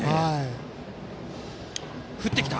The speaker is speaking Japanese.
振ってきた。